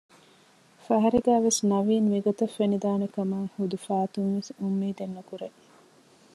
ފަހަރެއްގައިވެސް ނަވީން މިގޮތަށް ފެނިދާނެކަމަށް ޙުދު ފާތުންވެސް އުއްމީދެއް ނުކުރޭ